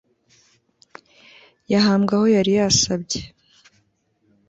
Yahambwe aho yari yarasabye